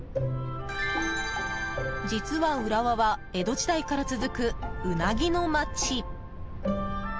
実は、浦和は江戸時代から続くうなぎの街。